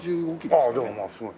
ああでもまあすごい。